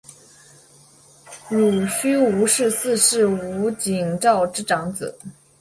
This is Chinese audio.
濡须吴氏四世吴景昭之长子。